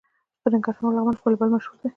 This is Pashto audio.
په ننګرهار او لغمان کې والیبال مشهور دی.